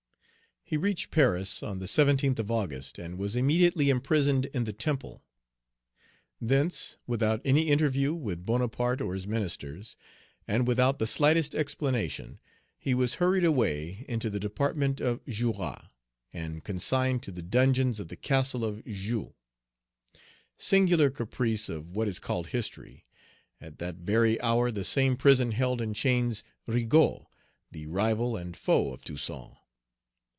He reached Paris on the 17th of August, and was immediately imprisoned in the Temple. Thence, without any interview with Bonaparte or his ministers, and without the slightest explanation, he was hurried away into the Department of Jura, and consigned to the dungeons of the Castle of Joux. Singular caprice of what is called history: at that very hour the same prison held in chains Rigaud, the rival and foe of Toussaint.